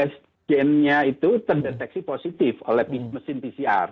sc gennya itu terdeteksi positif oleh mesin pcr